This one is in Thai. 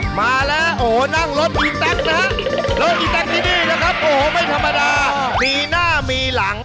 เฮ้มาแล้วนั่งรถอีตรักนะรถอีตรักทีนี้นะครับไม่ธรรมดามีหน้ามีหลัง